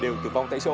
đều tử vong tại chỗ